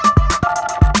kau mau kemana